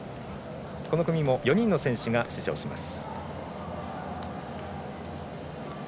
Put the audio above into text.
この組も４人の選手が出場します。